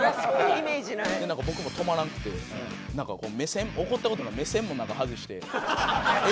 僕も止まらんくてなんか目線怒った事ない目線も外して。